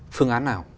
phương án nào